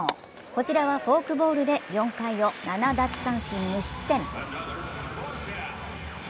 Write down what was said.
こちらはフォークボールで４回を７奪三振無失点。